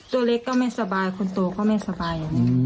ตัวเล็กก็ไม่สบายคนโตก็ไม่สบาย